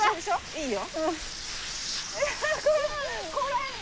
いいよ。